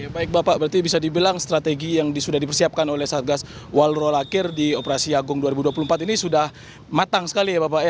baik bapak berarti bisa dibilang strategi yang sudah dipersiapkan oleh satgas walrolakir di operasi agung dua ribu dua puluh empat ini sudah matang sekali ya bapak